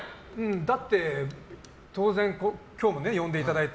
だって、当然今日も呼んでいただいて。